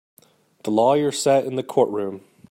The lawyer sat in the courtroom.